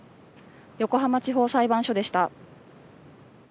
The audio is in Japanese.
横浜地方裁判所でした。